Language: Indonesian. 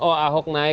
oh ahok turun